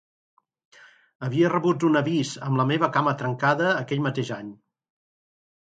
Havia rebut un avís amb la meva cama trencada aquell mateix any.